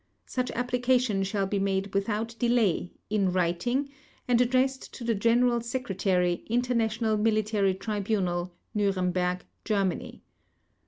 Such application shall be made without delay, in writing, and addressed to the General Secretary, International Military Tribunal, Nuremberg, Germany.